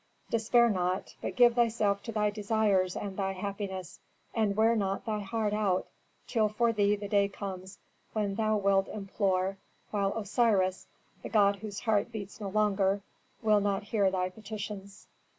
"Despair not, but give thyself to thy desires and thy happiness, and wear not thy heart out till for thee the day comes when thou wilt implore, while Osiris, the god whose heart beats no longer, will not hear thy petitions.